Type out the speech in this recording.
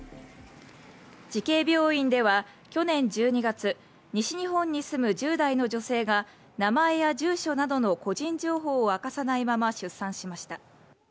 慈恵病院では去年１２月、西日本に住む１０代の女性が名前や住所などの個人情報を明かさないまま出産しました。